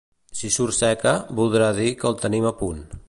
Si surt seca, voldrà dir que el tenim a punt.